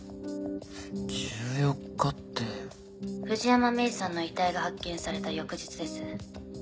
藤山メイさんの遺体が発見された翌日です。